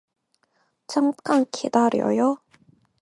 잠깐 기다려요.